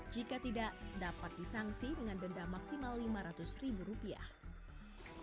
jika tidak dapat disangsi dengan denda maksimal lima ratus ribu rupiah